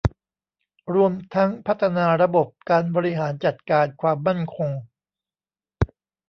รวมทั้งพัฒนาระบบการบริหารจัดการความมั่นคง